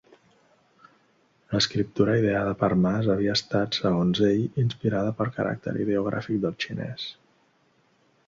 L'escriptura ideada per Mas havia estat, segons ell, inspirada pel caràcter ideogràfic del xinès.